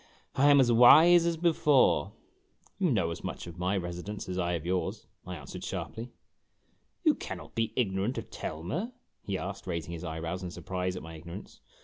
" I am as wise as before !"" You know as much of my residence as I of yours !' I answered sharply. " You cannot be ignorant of Telmer ?' he asked, raising his eyebrows in surprise at my ignorance.